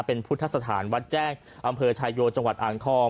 เป็นพุทธสถานวัดแจ้งอำเภอชายโยจังหวัดอ่างทอง